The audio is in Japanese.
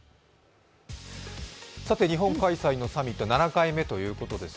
さて日本開催のサミット、７回目ということです。